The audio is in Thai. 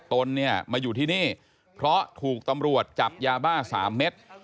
ตนเนี่ยมาอยู่ที่นี่เพราะถูกตำรวจจับยาบ้า๓เม็ด